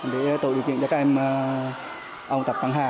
để tổ điều kiện cho các em ông tập trận hà